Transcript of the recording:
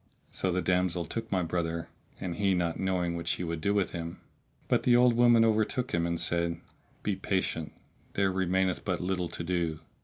So the damsel took my brother (and he not knowing what she would do with him); but the old woman overtook him and said, "Be patient; there remaineth but little to do."